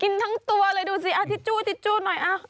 กินทั้งตัวเลยดูสิทิชชู่หน่อย